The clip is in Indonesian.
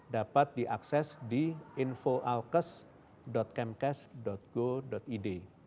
dapat diakses di infoalkes chemcast go id